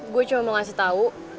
gue cuma mau ngasih tahu